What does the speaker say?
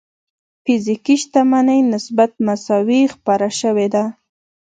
فزيکي شتمنۍ نسبت مساوي خپره شوې ده.